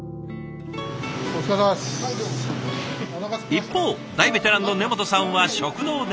一方大ベテランの根本さんは食堂で。